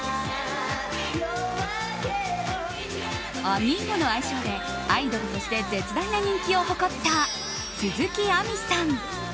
あみーゴの愛称でアイドルとして絶大な人気を誇った鈴木亜美さん。